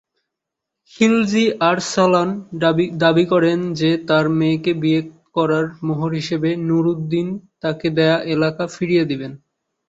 খিলজি আরসালান দাবি করেন যে তার মেয়েকে বিয়ে করার মোহর হিসেবে নুরউদ্দিন তাকে দেয়া এলাকা ফিরিয়ে দেবেন।